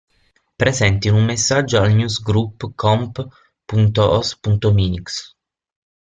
Presente in un messaggio al newsgroup comp.os.minix.